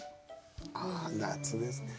ああ夏ですね。